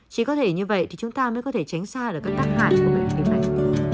chỉ có thể như vậy thì chúng ta mới có thể tránh xa được các tác hại của bệnh thế này